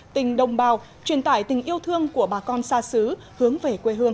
tình đồng bào truyền tải tình yêu thương của bà con xa xứ hướng về quê hương